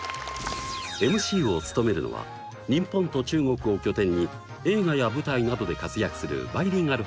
ＭＣを務めるのは日本と中国を拠点に映画や舞台などで活躍するバイリンガル